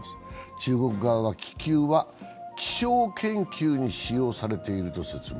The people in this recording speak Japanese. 中国側は気球は気象研究に使用されていると説明。